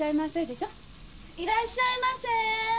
いらっしゃいませ！